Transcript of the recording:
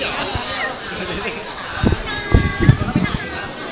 ผมเกลียดหี้หรอ